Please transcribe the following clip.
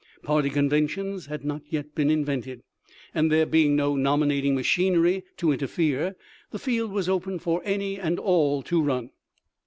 Party conventions had not yet been invented, and there being no nominating machinery to in terfere, the field was open for any and all to run.